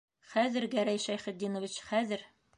Хәҙер, Гәрәй Шәйхетдинович, хәҙер!..